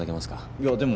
いやでも。